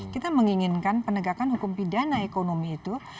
kita menginginkan penegakan hukum pidana ekonomi itu